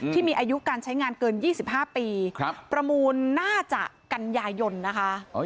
ที่มีอายุการใช้งานเกิน๒๕ปีประมูลน่าจะกันยายนนะคะ